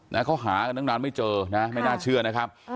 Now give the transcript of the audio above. นั้นเขาหานั้นนานไม่เจอไม่น่าเชื่อนะครับ